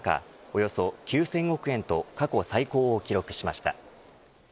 およそ９０００億円と過去最高を記録しました。